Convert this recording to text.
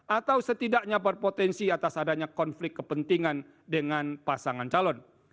atau setidaknya berpotensi atas adanya konflik kepentingan dengan pasangan calon